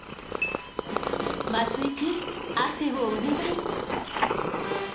松井くん汗をお願い。